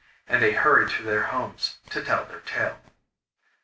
And they hurried to their homes to tell their tale.